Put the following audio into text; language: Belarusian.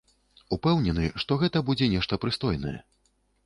Упэўнены, што гэта будзе нешта прыстойнае.